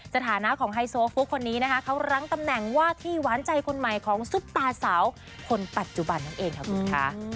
สถานะของไฮโซฟุกคนนี้นะคะเขารั้งตำแหน่งว่าที่หวานใจคนใหม่ของซุปตาสาวคนปัจจุบันนั่นเองค่ะคุณค่ะ